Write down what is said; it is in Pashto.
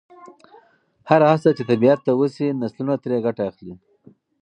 هره هڅه چې طبیعت ته وشي، نسلونه ترې ګټه اخلي.